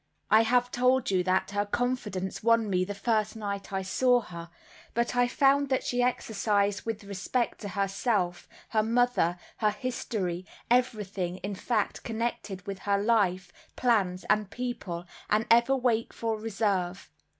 I have told you that her confidence won me the first night I saw her; but I found that she exercised with respect to herself, her mother, her history, everything in fact connected with her life, plans, and people, an ever wakeful reserve.